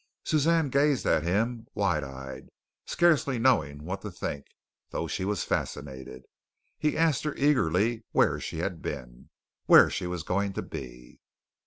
Suzanne gazed at him wide eyed, scarcely knowing what to think, though she was fascinated. He asked her eagerly where she had been, where she was going to be.